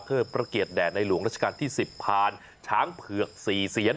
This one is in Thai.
เทอดประเกียจแดดในหลวงราชการที่สิบพานช้างเผือกสี่เซียน